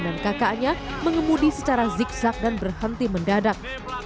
dan kakaknya mengemudi secara zigzag dan berhenti mendadak